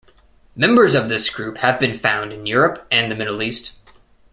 Members of this group have been found in Europe and the Middle East.